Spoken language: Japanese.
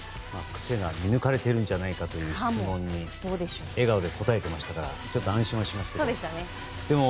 癖が見抜かれているんじゃないかという質問に笑顔で答えていましたから安心はしますけども。